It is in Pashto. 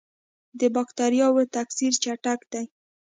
د بکټریاوو تکثر چټک دی.